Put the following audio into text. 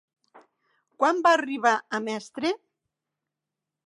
Quan va arribar a mestre?